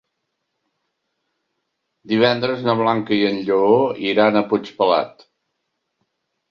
Divendres na Blanca i en Lleó iran a Puigpelat.